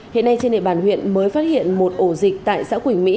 hiện nay trên địa bàn huyện mới phát hiện một ổ dịch tại xã quỳnh mỹ